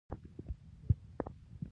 دا جاهلیت د شلمې پېړۍ دی.